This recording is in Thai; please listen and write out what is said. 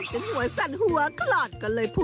เจ้าแจ๊ะริมเจ้า